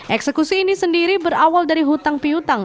eksekusi ini sendiri berawal dari hutang pihutang